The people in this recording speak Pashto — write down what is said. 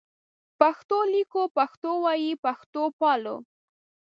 پښتو لیکو پښتو وایو پښتو پالو